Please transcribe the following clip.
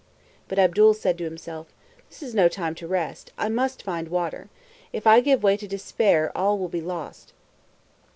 But Abdul said to himself, "This is no time to rest. I must find water. If I give way to despair, all will be lost."